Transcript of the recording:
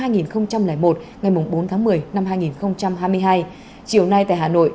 ngày bốn tháng một mươi năm hai nghìn hai mươi hai chiều nay tại hà nội